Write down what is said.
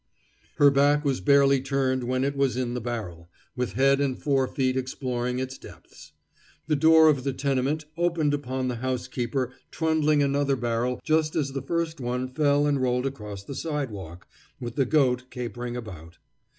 Her back was barely turned when it was in the barrel, with head and fore feet exploring its depths. The door of the tenement opened upon the housekeeper trundling another barrel just as the first one fell and rolled across the sidewalk, with the goat capering about.